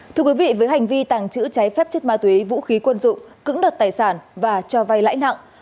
thưa quý vị với hành vi tàng trữ trái phép chết ma tuế vũ khí quân dụng cứng đọt tài sản và cho vay lãi nặng